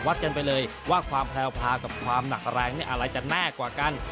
กันไปเลยว่าความแพลวพากับความหนักแรงนี่อะไรจะแน่กว่ากัน